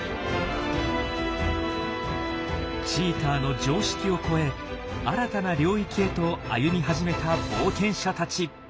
チーターの常識を超え新たな領域へと歩み始めた冒険者たち。